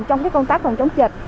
trong cái công tác phòng chống dịch